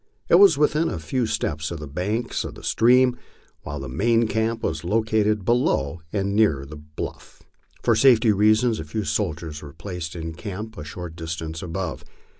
It was within a few steps of the bank of the stream, while the main camp was located below and nearer the bluff. For safety a few soldiers were placed in camp a short distance above.